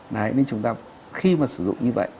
đấy nên chúng ta khi mà sử dụng như vậy